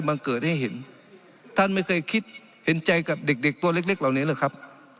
เกิดให้เห็นท่านไม่เคยคิดเห็นใจกับเด็กเด็กตัวเล็กเล็กเหล่านี้เลยครับ